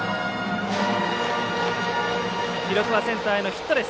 記録はセンターへのヒットです。